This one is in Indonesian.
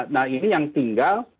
nah ini yang tinggal